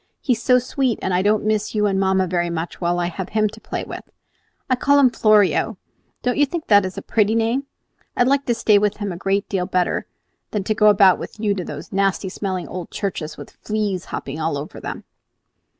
"He is so sweet that I don't miss you and mamma very much while I have him to play with. I call him Florio, don't you think that is a pretty name? I like to stay with him a great deal better than to go about with you to those nasty smelling old churches, with fleas hopping all over them!"